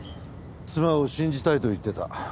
妻を信じたいと言ってた。